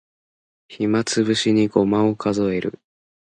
暇つぶしにごまを数える